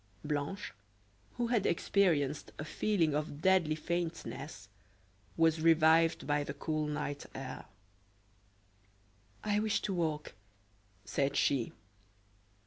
Blanche, who had experienced a feeling of deadly faintness, was revived by the cool night air. "I wish to walk," said she.